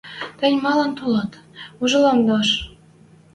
«Тӹнь малын толат? Ужылдалаш?